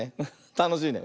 たのしいね。